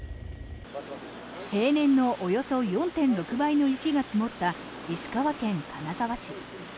平年のおよそ４．６倍の雪が積もった石川県金沢市。